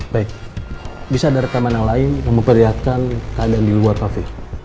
baik bisa ada rekaman yang lain yang memperlihatkan keadaan di luar kafe